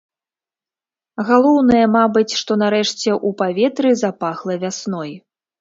Галоўнае, мабыць, што нарэшце ў паветры запахла вясной.